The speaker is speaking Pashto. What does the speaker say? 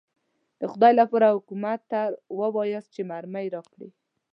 د خدای لپاره حکومت ته ووایاست چې مرمۍ راکړي.